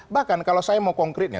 bahkan kalau saya mau konkretnya